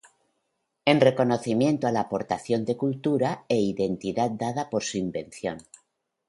En reconocimiento a la aportación de cultura e identidad dada por su invención